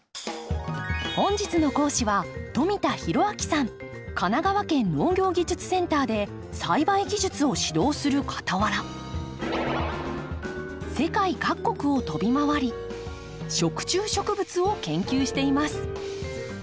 本日の講師は神奈川県農業技術センターで栽培技術を指導するかたわら世界各国を飛び回り食虫植物を研究しています。